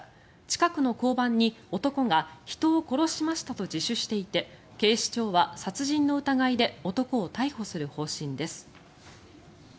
近くの交番に男が人を殺しましたと自首していて警視庁は殺人の疑いで男を逮捕する方針です。